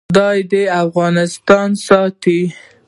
خدای دې افغانستان ساتي